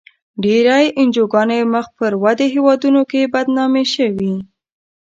ډېری انجوګانې په مخ پر ودې هېوادونو کې بدنامې شوې.